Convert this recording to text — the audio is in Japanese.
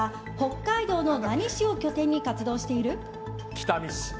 北見市。